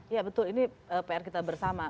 ya betul ini pr kita bersama